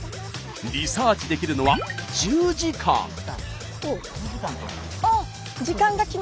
リサーチできるのは１０時間。